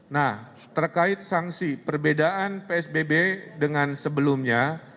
nah terkait sanksi perbedaan psbb dengan sebelumnya